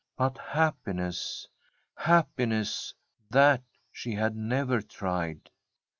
But happiness, happiness, that she had never tried.